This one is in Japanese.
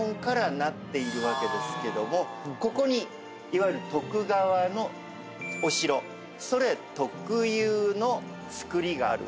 ここにいわゆる徳川のお城それ特有の造りがあるわけです。